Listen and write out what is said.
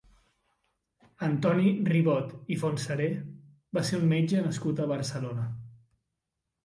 Antoni Ribot i Fontseré va ser un metge nascut a Barcelona.